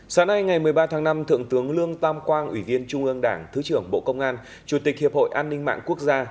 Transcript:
sáng nay ngày một mươi ba tháng năm thượng tướng lương tam quang ủy viên trung ương đảng thứ trưởng bộ công an chủ tịch hiệp hội an ninh mạng quốc gia